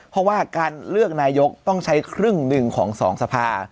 เพราะว่าการเลือกนายกต้องใช้ครึ่งหนึ่งของสองสภา